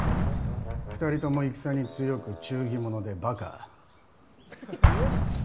２人とも戦に強く忠義者でば。